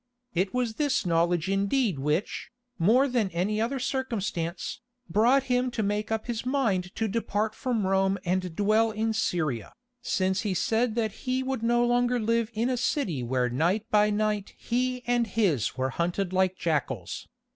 It was this knowledge indeed which, more than any other circumstance, brought him to make up his mind to depart from Rome and dwell in Syria, since he said that he would no longer live in a city where night by night he and his were hunted like jackals.